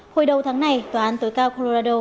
hồi đầu tháng này tòa án tối cao colorado